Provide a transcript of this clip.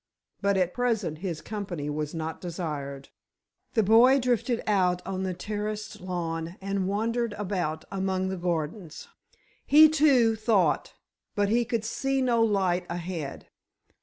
But at present his company was not desired. The boy drifted out on the terraced lawn and wandered about among the gardens. He, too, thought, but he could see no light ahead.